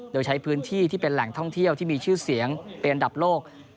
โดยใช้พื้นที่ที่เป็นแหล่งท่องเที่ยวที่มีชื่อเสียงเป็นอันดับโลก